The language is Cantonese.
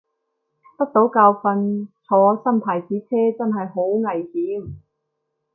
得到教訓，坐新牌子車真係好危險